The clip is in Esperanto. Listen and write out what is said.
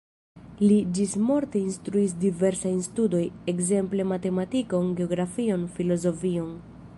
Li ĝismorte instruis diversajn studojn, ekzemple matematikon, geografion, filozofion.